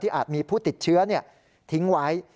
อาจมีผู้ติดเชื้อทิ้งไว้